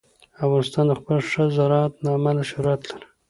افغانستان د خپل ښه زراعت له امله شهرت لري.